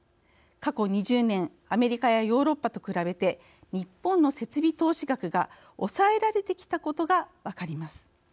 過去２０年アメリカやヨーロッパと比べて日本の設備投資額が抑えられてきたことが分かります。